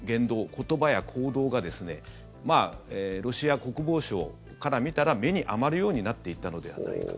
言葉や行動がロシア国防省から見たら目に余るようになっていったのではないか。